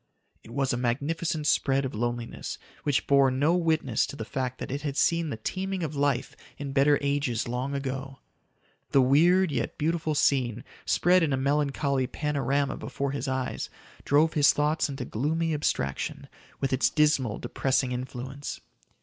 It was a magnificent spread of loneliness which bore no witness to the fact that it had seen the teeming of life in better ages long ago. The weird, yet beautiful scene, spread in a melancholy panorama before his eyes, drove his thoughts into gloomy abstraction with its dismal, depressing influence.